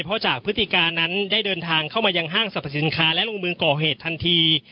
เพราะจากพฤติการนั้นได้เดินทางเข้ามายังห้างสรรพสินค้าและลงมือก่อเหตุทันที